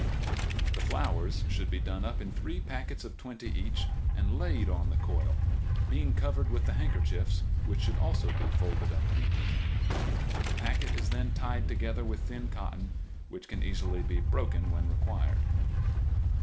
The flowers should be done up in three packets of twenty each and laid on the coil, being covered with the handkerchiefs, which should be folded up neatly. The packet is then tied together with thin cotton, which can easily be broken when required.